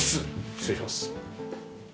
失礼します。